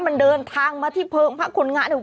มันเดินทางมาที่เพลิงผ้าคนงะวันแรกเนอะ